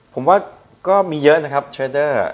ผมว่าก็มีเยอะนะครับเทรดเดอร์